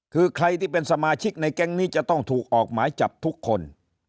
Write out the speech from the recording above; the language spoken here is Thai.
คือใครที่เป็นสมาชิกในแก๊งนี้จะต้องถูกออกหมายจับทุกคน